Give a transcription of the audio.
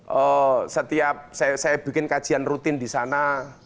oh setiap saya bikin kajian rutin di sana